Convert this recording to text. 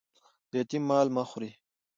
د یتيم مال مه خوري